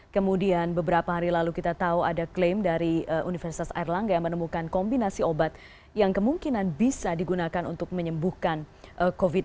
kemudian beberapa hari lalu kita tahu ada klaim dari universitas airlangga yang menemukan kombinasi obat yang kemungkinan bisa digunakan untuk menyembuhkan covid sembilan belas